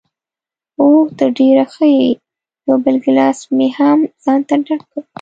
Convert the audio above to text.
اوه، ته ډېره ښه یې، یو بل ګیلاس مې هم ځانته ډک کړ.